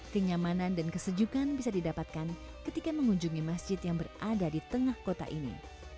kenyamanan dan kesejukan bisa didapatkan ketika mengunjungi masjid yang berada di tengah kota ini